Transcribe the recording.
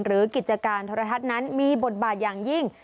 กิจการโทรทัศน์นั้นมีบทบาทอย่างยิ่ง